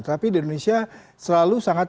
tapi di indonesia selalu sangat